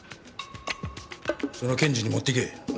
その検事に持ってけ。